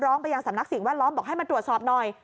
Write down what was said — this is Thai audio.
ไปยังสำนักสิ่งแวดล้อมบอกให้มาตรวจสอบหน่อย